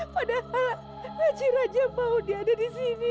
padahal haji haji yang mau dia ada disini